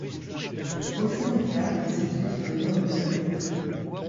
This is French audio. Osanica est situé sur les bords de la Drina.